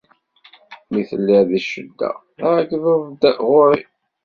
Mi telliḍ di ccedda, tɛeyyḍeḍ-d ɣur-i.